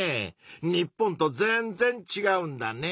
日本とぜんぜん違うんだねぇ。